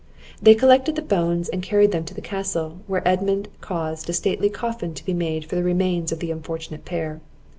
They collected the bones and carried them to the Castle, where Edmund caused a stately coffin to be made for the remains of the unfortunate pair.